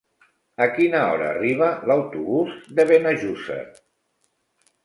A quina hora arriba l'autobús de Benejússer?